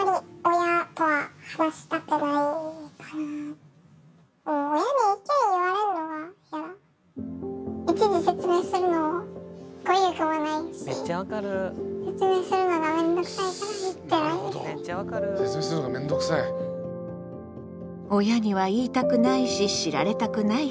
親には言いたくないし知られたくない子どもたち。